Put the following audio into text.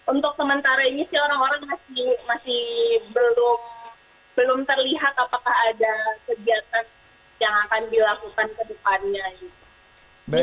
untuk sementara ini sih orang orang masih belum terlihat apakah ada kegiatan yang akan dilakukan ke depannya gitu